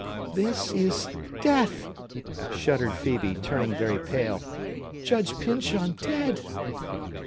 "This is death!" shuddered Phœbe, turning very pale. "Judge Pyncheon dead!"